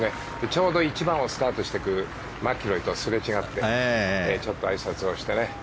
ちょうど１番をスタートしていくマキロイとすれ違ってちょっとあいさつをしてね。